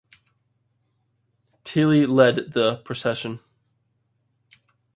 Tillie led the procession.